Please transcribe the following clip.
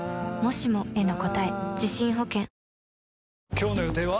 今日の予定は？